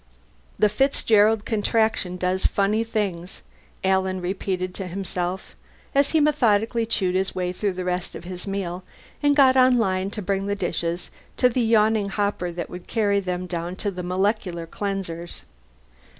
The Fitzgerald Contraction does funny things, Alan repeated to himself, as he methodically chewed his way through the rest of his meal and got on line to bring the dishes to the yawning hopper that would carry them down to the molecular cleansers.